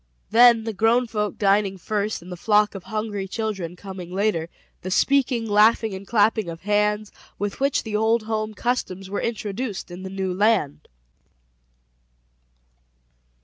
Then the grown folk dining first, and the flock of hungry children coming later; the speaking, laughing, and clapping of hands, with which the old home customs were introduced in the new land.